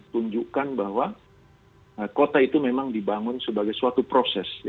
tunjukkan bahwa kota itu memang dibangun sebagai suatu proses